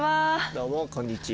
どうもこんにちは。